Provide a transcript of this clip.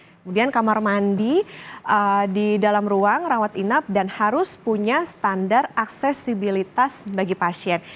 kemudian kamar mandi di dalam ruang rawat inap dan harus punya standar aksesibilitas bagi pasien